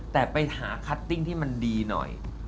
แต่ไปหาคัตติ้งที่มันดีหน่อย